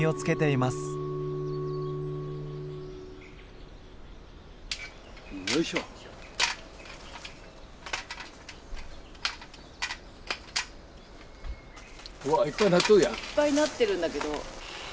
いっぱいなってるんだけど。